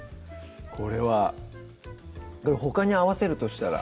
これはほかに合わせるとしたら？